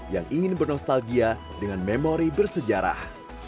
yang ingin bernostalgia dengan memori bersejarah